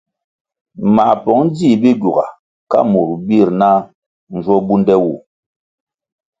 Mā pong djih Bigyuga ka murʼ birʼ na njwo bunde wu.